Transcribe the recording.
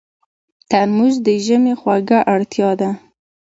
ترموز د ژمي خوږه اړتیا ده.